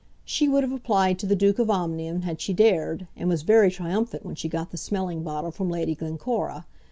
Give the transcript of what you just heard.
She would have applied to the Duke of Omnium had she dared, and was very triumphant when she got the smelling bottle from Lady Glencora.